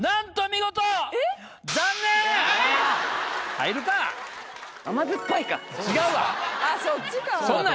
入るか！